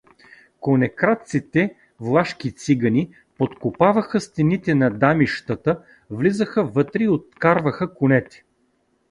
Конекрадците, влашки цигани, подкопаваха стените на дамищата, влизаха вътре и откарваха конете.